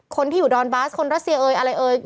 คนที่อยู่ดอนบาสคนรัสเซียเอยอะไรเอ่ย